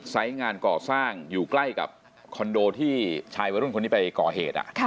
งานก่อสร้างอยู่ใกล้กับคอนโดที่ชายวัยรุ่นคนนี้ไปก่อเหตุ